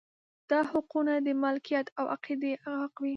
دا حقونه د مالکیت او عقیدې حق وي.